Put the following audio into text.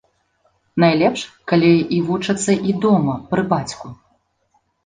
Найлепш, калі і вучацца і дома, пры бацьку.